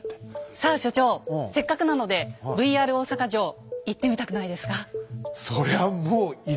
さあ所長せっかくなのでＶＲ大坂城行ってみたくないですか？